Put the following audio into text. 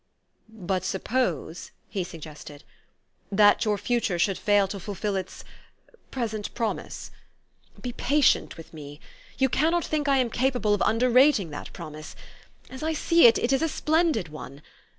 "" But suppose," he suggested, " that your future should fail to fulfil its present promise Be patient with me ! You cannot think I am capable of underrating that promise. As I see it, it is a splendid one.